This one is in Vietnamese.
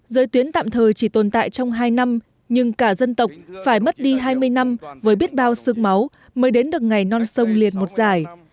giới tuyến tạm thời chỉ tồn tại trong hai năm nhưng cả dân tộc phải mất đi hai mươi năm với biết bao sương máu mới đến được ngày non sông liền một dài